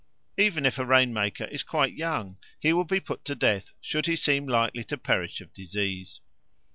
Even if a rain maker is quite young he will be put to death should he seem likely to perish of disease.